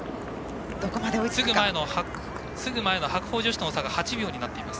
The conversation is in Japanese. すぐ前の白鵬女子との差が８秒になっています。